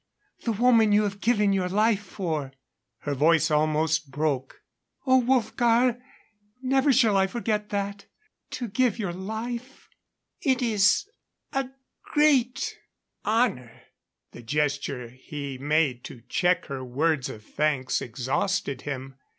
The woman you have given your life for." Her voice almost broke. "Oh, Wolfgar! Never shall I forget that. To give your life " "It is a great honor." The gesture he made to check her words of thanks exhausted him.